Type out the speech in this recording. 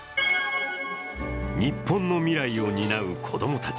日本の未来を担う子供たち。